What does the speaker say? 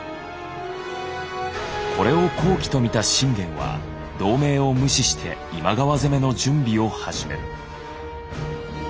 これを好機と見た信玄は同盟を無視して今川攻めの準備を始める。